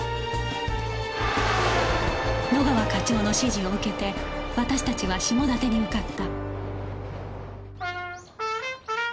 野川課長の指示を受けて私たちは下館に向かった